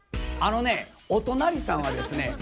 あのねお隣さんはですね